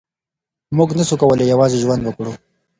مونږ نسو کولای یوازې ژوند وکړو.